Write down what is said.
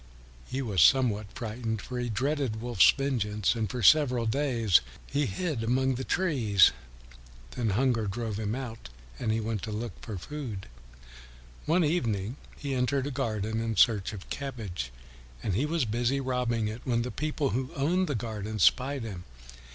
He was somewhat frightened, for he dreaded Wolf's vengeance, and for several days he hid among the trees. Then hunger drove him out and he went forth to look for food. One evening he entered a garden in search of cabbage, and he was busy robbing it, when the people who owned the garden spied him.